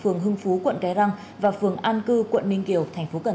phường hưng phú quận cái răng và phường an cư quận ninh kiều tp cn